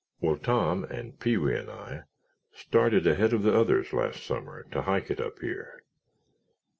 "Well, Tom and Pee wee and I started ahead of the others last summer to hike it up here.